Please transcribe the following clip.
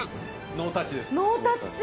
ノータッチ！